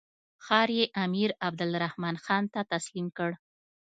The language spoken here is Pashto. ښار یې امیر عبدالرحمن خان ته تسلیم کړ.